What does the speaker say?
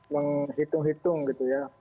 menghitung hitung gitu ya